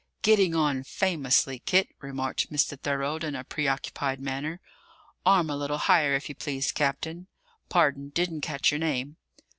"Getting on famously, Kit," remarked Mr. Thorold in a preoccupied manner. "Arm a little higher, if you please, Captain Pardon, didn't catch your name."